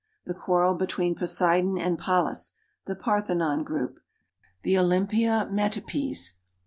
The quarrel between Poseidon and Pallas : the Parthenon group. The Olympia metopes.